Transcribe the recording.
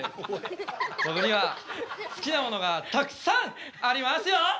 僕には好きなものがたくさんありますよ！